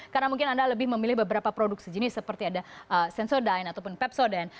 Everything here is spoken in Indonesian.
karena mungkin anda lebih memilih beberapa produk sejenis seperti ada sensodyne ataupun pepsodan